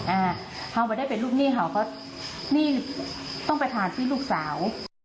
อ่าเขาไม่ได้เป็นลูกหนี้เขาก็หนี้ต้องไปทานที่ลูกสาว